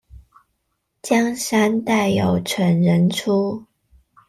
江山代有蠢人出